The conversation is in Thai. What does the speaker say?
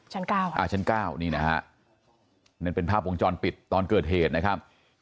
เก้าอ่าชั้น๙นี่นะฮะนั่นเป็นภาพวงจรปิดตอนเกิดเหตุนะครับ